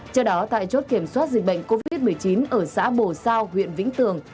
trước đó tại chốt kiểm soát dịch bệnh covid một mươi chín ở xã bồ sao huyện vĩnh tường